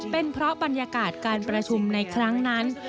เป็นเพราะบรรยากาศการประชุมในครั้งนั้น